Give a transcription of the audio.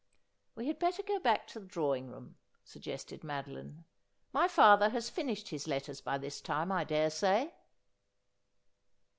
'We had better go back to the drawing room,' suggested Madoline. ' My father has finished his letters by this time, I daresay.'